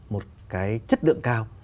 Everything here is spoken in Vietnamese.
một cái chất lượng cao